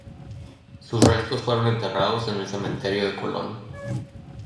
Sus restos fueron enterrados en el Cementerio de Colón.